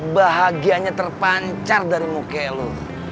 bahagianya terpancar dari muka lo